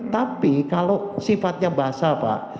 tapi kalau sifatnya basah pak